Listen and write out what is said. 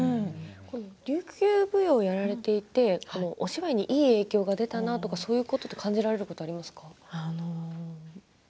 琉球舞踊をやられていてお芝居にいい影響が出たなと感じられることはありますか？